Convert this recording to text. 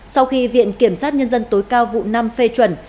sau khi viện kiểm sát nhân dân tối cao vụ năm phê chuẩn